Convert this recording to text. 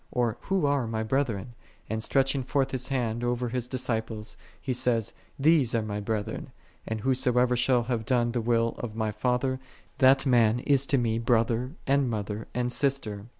or who are My brethren? and stretching forth*His Hand over His disciples, He saith, These are My brethren: and who soever shall have done the will of My Father, that man is to Me brother, and mother, and sister.'"